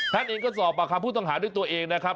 ท่านเองก็สอบปากคำผู้ต้องหาด้วยตัวเองนะครับ